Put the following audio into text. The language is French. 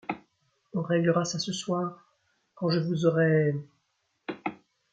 On réglera ça ce soir, quand je vous aurai. ..